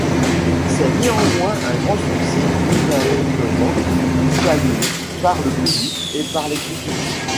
C’est néanmoins un grand succès unanimement salué par le public et par les critiques.